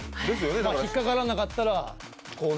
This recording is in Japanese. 引っ掛からなかったらこうなるし。